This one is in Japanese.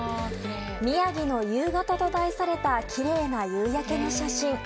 「宮城の夕方」と題されたきれいな夕焼けの写真。